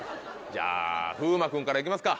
じゃあ風磨君から行きますか。